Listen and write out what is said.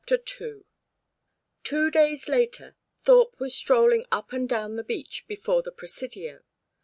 II Two days later Thorpe was strolling up and down the beach before the Presidio.